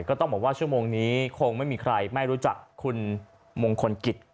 ก็ต้องบอกว่าชั่วโมงนี้คงไม่มีใครไม่รู้จักคุณมงคลกิจ